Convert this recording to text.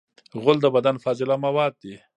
غول د بدن فاضله مواد دي.